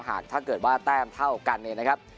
หากถ้าเกิดว่าแต้มเท่ากันเองนะครับ